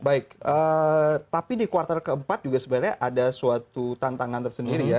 baik tapi di kuartal keempat juga sebenarnya ada suatu tantangan tersendiri ya